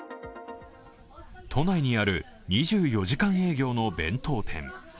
都内にある２４時間営業の弁当店。